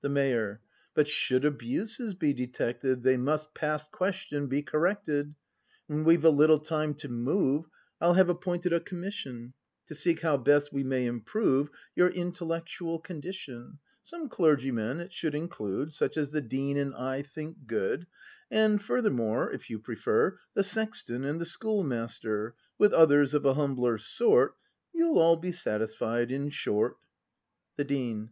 The Mayor. But should abuses be detected. They must, past question, be corrected. When we've a little time to move, I'll have appointed a commission. To seek how best we may improve Your intellectual condition. Some clergymen it should include Such as the Dean and I think good, — And furthermore, if you prefer, The Sexton and the Schoolmaster, With others of a humbler sort, — You'll all be satisfied, in short. The Dean.